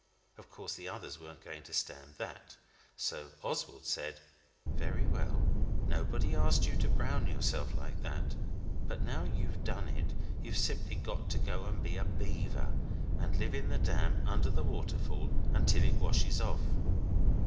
Of course the others weren't going to stand that. So Oswald said 'Very well. Nobody asked you to brown yourself like that. But now you've done it, you've simply got to go and be a beaver, and live in the dam under the waterfall till it washes off.